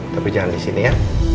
tapi jangan disini ya